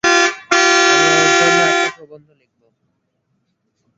আমি ওর জন্য একটা প্রবন্ধ লিখব।